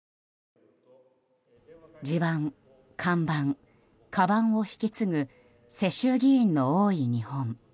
地盤、看板、かばんを引き継ぐ世襲議員の多い日本。